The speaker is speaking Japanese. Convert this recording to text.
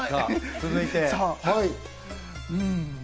続いて？